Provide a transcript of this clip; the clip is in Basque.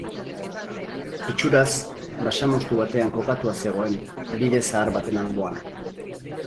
Itxuraz, basamortu batean kokatua zegoen, bide zahar baten alboan.